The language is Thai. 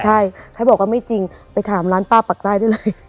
ใช่ถ้าบอกว่าไม่จริงไปถามร้านป้าปักใต้ได้เลย